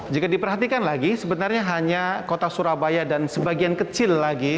jika diperhatikan lagi sebenarnya hanya kota surabaya dan sebagian kecil lagi